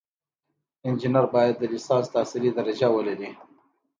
انجینر باید د لیسانس تحصیلي درجه ولري.